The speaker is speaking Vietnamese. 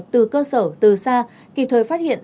từ cơ sở từ xa kịp thời phát hiện